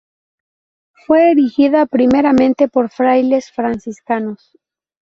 Fue erigida primeramente por frailes franciscanos.